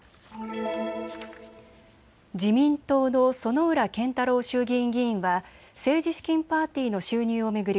自民党の薗浦健太郎衆議院議員は政治資金パーティーの収入を巡り